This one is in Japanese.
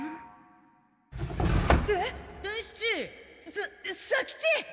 さ左吉！